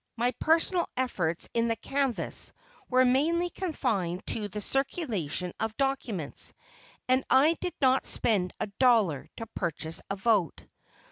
My personal efforts in the canvass were mainly confined to the circulation of documents, and I did not spend a dollar to purchase a vote.